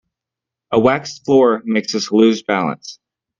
A waxed floor makes us lose balance.